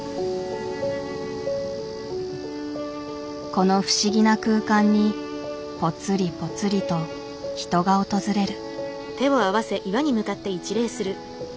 この不思議な空間にぽつりぽつりと人が訪れる。